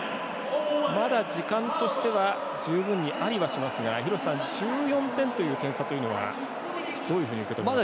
まだ時間は十分にありますが１４点という点差というのはどういうふうに受け止めてますか。